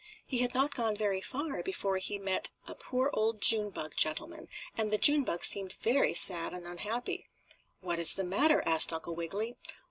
He had not gone very far before he met a poor old June bug gentleman, and the June bug seemed very sad and unhappy. "What is the matter?" asked Uncle Wiggily.